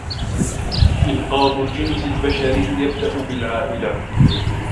انقاذ الجنس البشري يبدأ بالعائلة.